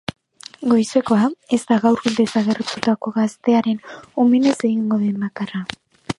Goizekoa ez da gaur desagertutako gaztearen omenez egingo den bakarra.